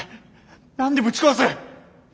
何でぶち壊す。